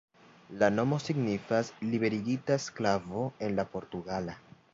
La nomo signifas "liberigita sklavo" en la portugala.